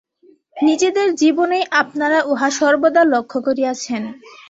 নিজেদের জীবনেই আপনারা উহা সর্বদা লক্ষ্য করিয়াছেন।